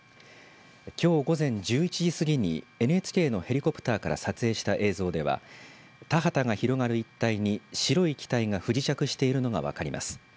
きょう午前１１時過ぎにＮＨＫのヘリコプターから撮影した映像では田畑が広がる一帯に白い機体が不時着しているのが分かります。